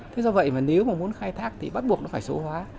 thế do vậy mà nếu mà muốn khai thác thì bắt buộc nó phải số hóa